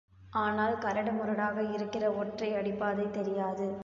ஆனால் கரடு முரடாக இருக்கிற ஒற்றை அடிப்பாதை தெரியாது.